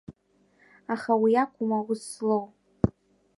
Аха уи акәым аус злоу.